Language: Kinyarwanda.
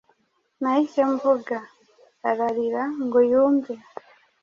Nahise mvuga: ararira ngo yumve.